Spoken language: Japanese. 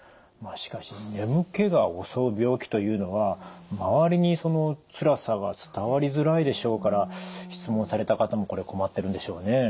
しかし眠気が襲う病気というのは周りにつらさが伝わりづらいでしょうから質問された方もこれ困ってるんでしょうね。